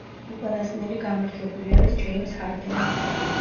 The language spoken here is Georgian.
უკანასკნელი გამარჯვებული არის ჯეიმზ ჰარდენი.